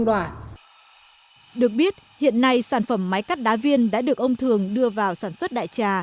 được biết hiện nay sản phẩm máy cắt đá viên đã được ông thường đưa vào sản xuất đại trà